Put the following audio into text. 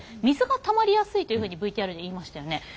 水がたまりやすいというふうにＶＴＲで言いましたよね。